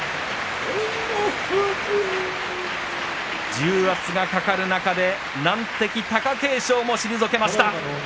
重圧がかかる中で難敵貴景勝も退けました。